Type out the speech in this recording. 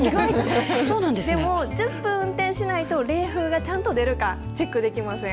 でも１０分運転しないと冷風がちゃんと出るかチェックできません。